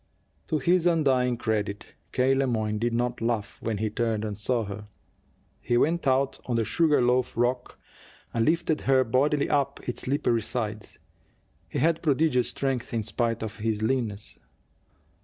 To his undying credit, K. Le Moyne did not laugh when he turned and saw her. He went out on the sugar loaf rock, and lifted her bodily up its slippery sides. He had prodigious strength, in spite of his leanness.